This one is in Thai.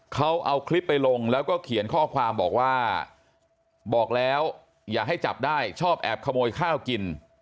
เขาเอาคลิปไปลงแล้วก็เขียนข้อความบอกว่าบอกแล้วอย่าให้จับได้ชอบแอบขโมยข้าวกิน